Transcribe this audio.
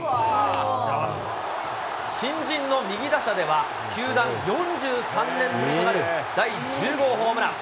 新人の右打者では球団４３年ぶりとなる第１０号ホームラン。